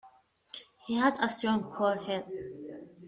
He has a strong forehead.